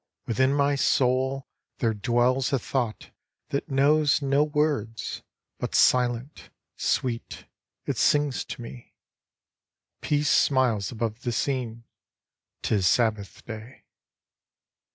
Within my soul there dwells a thought that knows No words, but silent, sweet, it sings to me. Peace smiles above the scene, 'tis Sabbath day.